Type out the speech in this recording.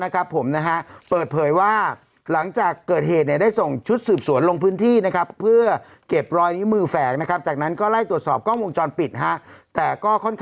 คืออยู่ที่ต่ำที่สูงที่เคยเห็นคือขึ้น๕บาท